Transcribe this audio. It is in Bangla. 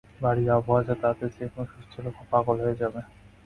বাড়ির আবহাওয়া যা, তাতে যে-কোনো সুস্থ লোকও পাগল হয়ে যাবে।